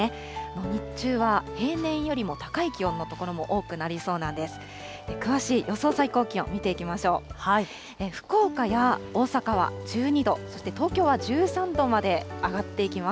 日中は平年よりも高い気温の所も多くなりそうなんです。